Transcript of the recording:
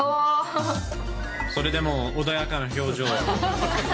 それでも穏やかな表情。